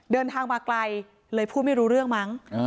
เดินทางมาไกลเลยพูดไม่รู้เรื่องมั้ง